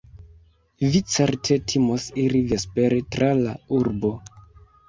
Vi certe timos iri vespere tra la urbo.